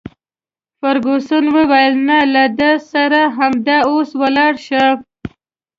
فرګوسن وویل: نه، له ده سره همدا اوس ولاړه شه.